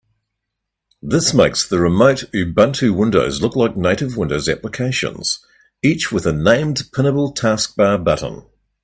This makes the remote Ubuntu windows look like native Windows applications, each with a named pinnable taskbar button.